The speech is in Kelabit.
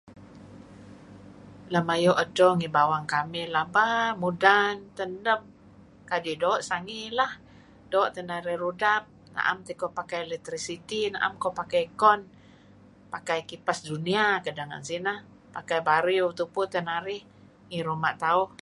Lem ayu' edto ngih bawang kamih laba... mudan. Teneb. Kadi' doo' sangii lah. Doo' teh narih rudap. Na'em teh iko pakai electrity, na'em iko pakai aircon. Pakai aircon dunia kedeh ngen sineh. Pakai bariw tupu teh narih ngih ruma' tauh.